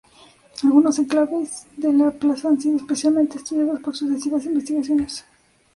Algunos enclaves de la plaza han sido especialmente estudiados por sucesivas investigaciones.